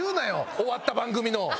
終わった番組の。